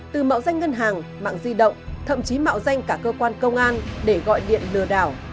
từ mạo danh ngân hàng mạng di động thậm chí mạo danh cả cơ quan công an để gọi điện lừa đảo